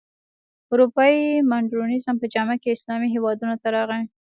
اروپايي مډرنیزم په جامه کې اسلامي هېوادونو ته راغی.